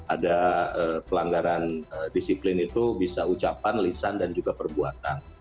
ada pelanggaran disiplin itu bisa ucapan lisan dan juga perbuatan